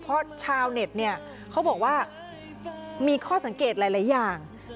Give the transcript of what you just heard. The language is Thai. เพราะชาวเน็ตเนี่ยเขาบอกว่ามีข้อสังเกตหลายอย่าง